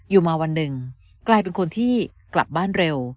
อยู่มาวันหนึ่งกลายเป็นคนที่กลับบ้านเร็ว